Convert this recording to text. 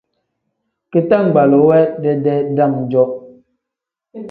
Bitangbaluu we dedee dam-jo.